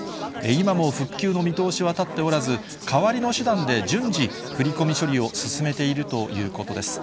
今も復旧の見通しは立っておらず、代わりの手段で順次、振り込み処理を進めているということです。